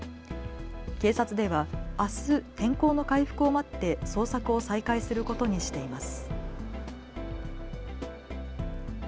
警察ではあす天候の回復を待って捜索を再開することにしています。